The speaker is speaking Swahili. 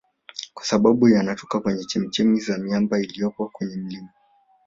Kwa sababu yanatoka kwenye chemichemi za miamba iliyopo kwenye milima